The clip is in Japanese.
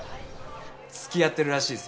付き合ってるらしいぜ